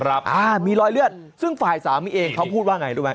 อ่ามีรอยเลือดซึ่งฝ่ายสามีเองเขาพูดว่าไงรู้ไหม